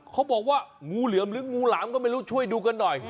เขาบอกว่างูเหลือมหรืองูหลามก็ไม่รู้ช่วยดูกันหน่อย